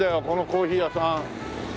このコーヒー屋さん。